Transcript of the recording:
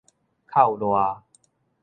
哭賴